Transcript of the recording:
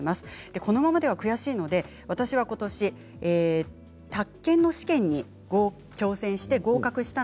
このままでは悔しいので私はことし宅建の試験に挑戦して合格しました。